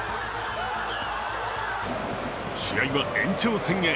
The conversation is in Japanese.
試合は延長戦へ。